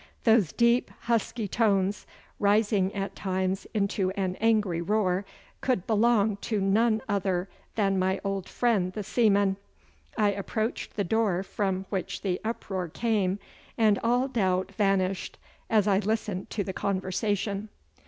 Those deep, husky tones, rising at times into an angry roar, could belong to none other than my old friend the seaman. I approached the door from which the uproar came, and all doubt vanished as I listened to the conversation.